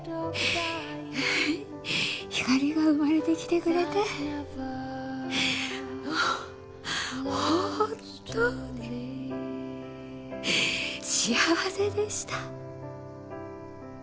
ひかりが生まれてきてくれて本当に幸せでした。